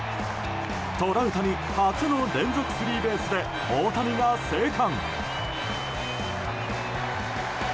トラウタニ初の連続スリーベースで大谷が生還。